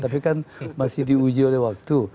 tapi kan masih diuji oleh waktu